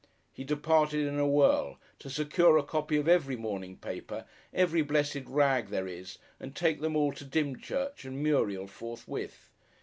He departed in a whirl, to secure a copy of every morning paper, every blessed rag there is, and take them all to Dymchurch and Muriel forthwith.